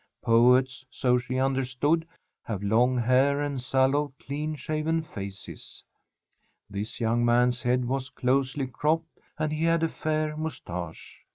Poets, so she understood, have long hair and sallow, clean shaven faces. This young man's head was closely cropped and he had a fair moustache.